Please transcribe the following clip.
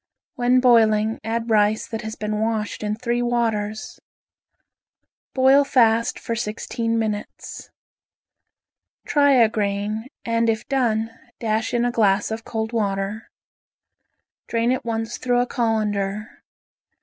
When boiling add rice that has been washed in three waters. Boil fast for sixteen minutes. Try a grain, and if done dash in a glass of cold water. Drain at once through a colander.